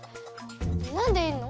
なんでいんの？